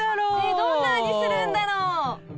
どんな味するんだろう。